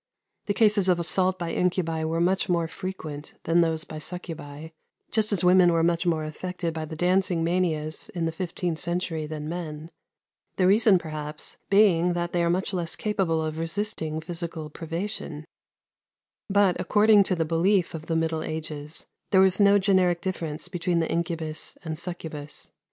The cases of assault by incubi were much more frequent than those by succubi, just as women were much more affected by the dancing manias in the fifteenth century than men; the reason, perhaps, being that they are much less capable of resisting physical privation; but, according to the belief of the Middle Ages, there was no generic difference between the incubus and succubus.